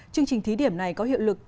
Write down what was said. chương trình thí điểm này có hiệu lực